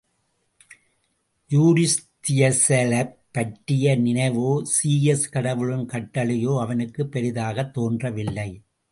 யூரிஸ்தியஸைலப் பற்றிய நினைவோ, சீயஸ் கடவுளின் கட்டளையோ அவனுக்குப் பெரிதாகத் தோன்றவில்லை.